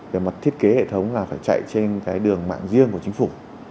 về mặt thiết kế hệ thống là phải chạy trên cái đường mạng riêng của chính phủ